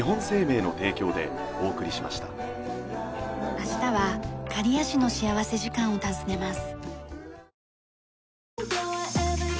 明日は刈谷市の幸福時間を訪ねます。